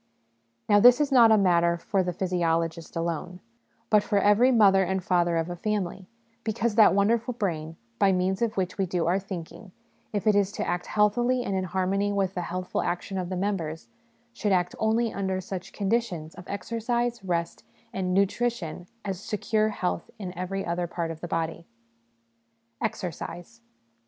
Now, this is not a matter for the physiologist alone, but for every mother and father of a family ; because that wonderful brain, by means of which we do our thinking, if it is to act healthily and in harmony with the healthful action of the members, should act only under such conditions of exercise, rest, and nutrition as secure health in every other part of the body. Exercise.